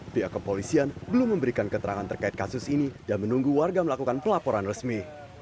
pihak kepolisian belum memberikan keterangan terkait kasus ini dan menunggu warga melakukan pelaporan resmi